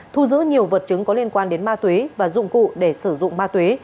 thu giữ nhiều vật chứng có liên quan đến ma túy và dụng cụ để sử dụng ma túy